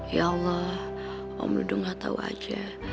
ya allah om ludo gak tau aja